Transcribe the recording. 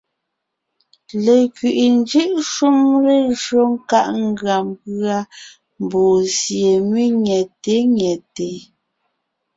Lekwiʼi njʉ́ʼ shúm lejÿó nkáʼ ngʉa mbʉ́a mbɔɔ sie mé nyɛ̂te nyɛte.